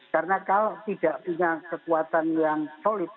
karena kalau tidak punya kekuatan yang solid